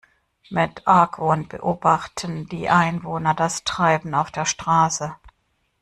Mit Argwohn beobachten die Einwohner das Treiben auf der Straße.